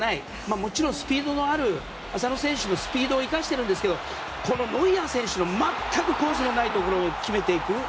もちろん浅野選手のスピードを生かしているんですけどこのノイアー選手の全くコースのないところに決めていく。